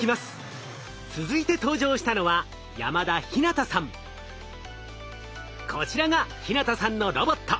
続いて登場したのはこちらが陽向さんのロボット。